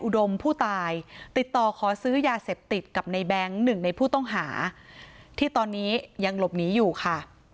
มผู้ตายติดต่อขอซื้อยาเสพติดกับในแบงค์หนึ่งในผู้ต้องหาที่ตอนนี้ยังหลบหนีอยู่ค่ะ